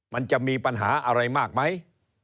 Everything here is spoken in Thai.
มันจะมีปัญหาอะไรมากไหม